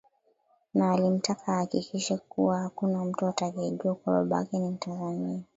Na alimtaka ahakikishe kuwa hakuna mtu atakayejua kuwa baba yake ni mtanzania